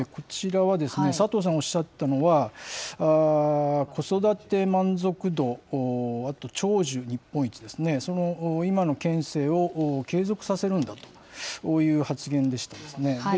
こちらはですね、佐藤さんおっしゃったのは、子育て満足度、あと長寿日本一ですね、その今の県政を継続させるんだという発言でしたね。